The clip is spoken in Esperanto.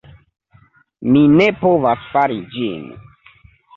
Mi ne povas fari ĝin.